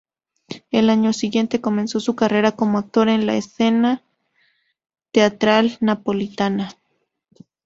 El año siguiente comenzó su carrera como actor en la escena teatral napolitana.